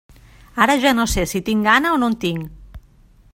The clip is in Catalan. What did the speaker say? Ara ja no sé si tinc gana o no en tinc.